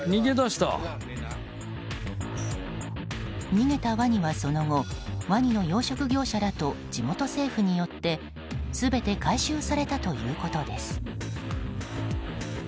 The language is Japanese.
逃げたワニはその後、ワニの養殖業者らと地元政府によって全て回収されたということです。